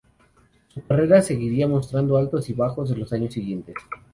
Su carrera seguiría mostrando altos y bajos en los años siguientes.